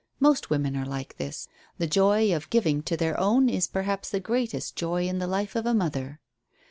Most women are like this; the joy of giving to their own is perhaps the greatest joy in the life of a mother.